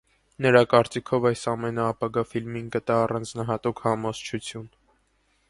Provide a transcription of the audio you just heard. Նրա կարծիքով այս ամենը ապագա ֆիլմին կտա առանձնահատուկ համոզչություն։